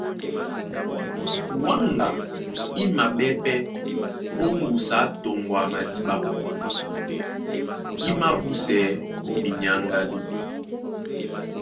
Wáŋga í maɓɛ́ pɛ́ ó ŋgusu á toŋgo a madíɓá í mābúsɛɛ́ ó minyáŋgádú.